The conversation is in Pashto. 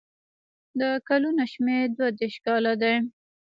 د کلونو شمېر دوه دېرش کاله دی.